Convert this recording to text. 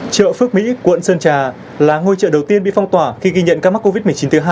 chợ phước mỹ quận sơn trà là ngôi chợ đầu tiên bị phong tỏa khi ghi nhận ca mắc covid một mươi chín thứ hai